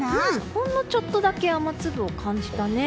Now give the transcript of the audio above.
ほんのちょっとだけ雨粒を感じたね。